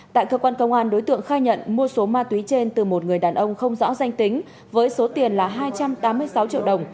tại cơ quan công an đối tượng khai nhận mua số ma túy trên từ một người đàn ông không rõ danh tính với số tiền là hai trăm tám mươi sáu triệu đồng